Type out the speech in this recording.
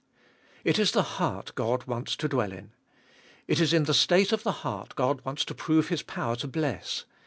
3. It is the heart God wants to dwell in. It is in the state of the heart God wants to prove His power to bless.